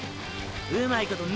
うまいことノ